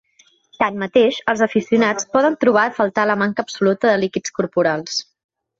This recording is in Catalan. Tanmateix, els aficionats poden trobar a faltar la manca absoluta de líquids corporals.